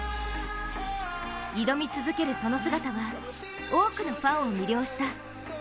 挑み続けるその姿は多くのファンを魅了した。